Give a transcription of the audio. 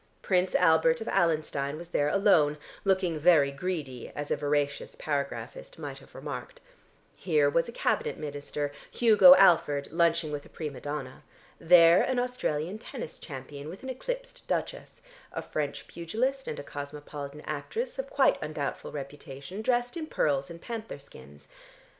Prince Albert of Allenstein was there alone, "looking very greedy," as a veracious paragraphist might have remarked: here was a Cabinet Minister, Hugo Alford, lunching with a prima donna, there an Australian tennis champion with an eclipsed duchess, a French pugilist and a cosmopolitan actress of quite undoubtful reputation dressed in pearls and panther skins.